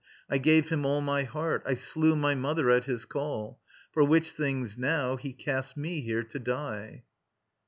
I gave him all My heart. I slew my mother at his call; For which things now he casts me here to die.